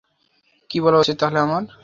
কী বলা উচিৎ তাহলে আমার?